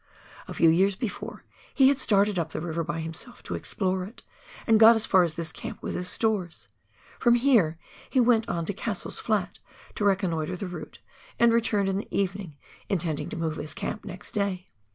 A few years before, he had started up the river by himself to explore it, and got as far as this camp with his stores ; from here he went on to Cassell's Flat to reconnoitre the route, and returned in the evening, intending to move his camp next day.